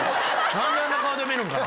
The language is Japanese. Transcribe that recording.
何であんな顔で見るんかな。